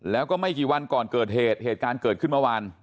แล้วก็ไม่กี่วันก่อนเกิดเหตุเหตุการณ์เกิดขึ้นเมื่อวาน